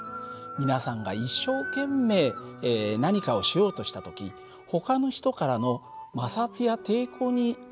皆さんが一生懸命何かをしようとした時ほかの人からの摩擦や抵抗に遭った経験がありませんか？